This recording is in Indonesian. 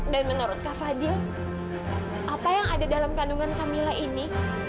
dan menurut kak fadil apa yang ada dalam kandungan kak mila ini